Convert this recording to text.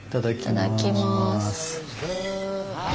いただきます。